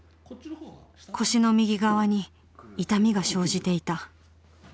腰の右側に痛みが生じていた。